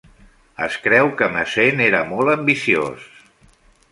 Es creu que Messene era molt ambiciós.